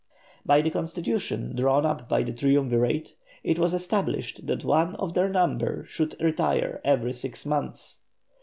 By the constitution drawn up by the Triumvirate, it was established that one of their number should retire every six months.